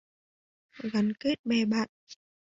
Gắn kết bè bạn